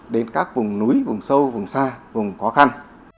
đến các vùng núi vùng sâu vùng xa vùng khó khăn